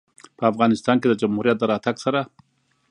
په افغانستان کې د جمهوریت د راتګ سره